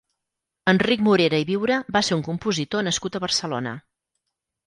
Enric Morera i Viura va ser un compositor nascut a Barcelona.